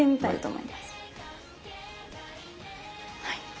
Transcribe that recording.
はい。